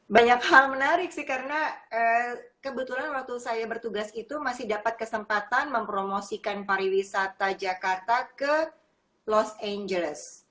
banyak hal menarik sih karena kebetulan waktu saya bertugas itu masih dapat kesempatan mempromosikan pariwisata jakarta ke los angeles